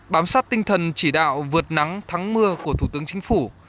bám sát tinh thần chỉ đạo vượt nắng thắng mưa của thủ tướng chính phủ